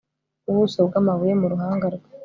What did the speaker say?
Ubuso bwamabuye nu ruhanga rwe